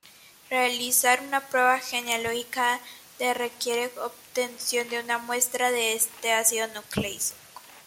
Realizar una prueba genealógica de requiere obtención de una muestra de este ácido nucleico.